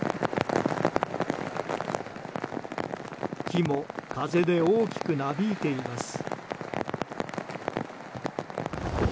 木も風で大きくなびいています。